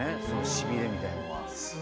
しびれみたいなものは。